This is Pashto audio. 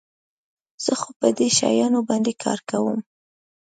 زه خو په دې شیانو باندي کار کوم.